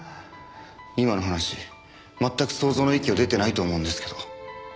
今の話全く想像の域を出てないと思うんですけど。